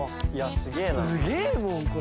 すげえもんこれ。